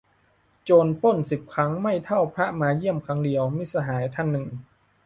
"โจรปล้นสิบครั้ง ไม่เท่าพระมาเยี่ยมครั้งเดียว" - มิตรสหายท่านหนึ่ง